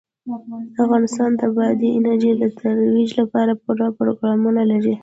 افغانستان د بادي انرژي د ترویج لپاره پوره پروګرامونه لري.